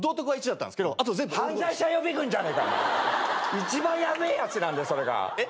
一番ヤベえやつなんだよそれが。えっ？